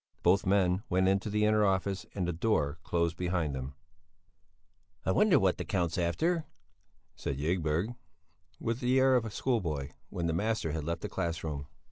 Both men went into an inner office and the door closed behind them. "I wonder what the Count's after?" said Ygberg, with the air of a schoolboy, when the master had left the class room.